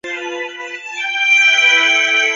京沈公路过境。